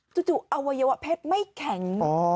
จู่อวัยวะเพศไม่แข็ง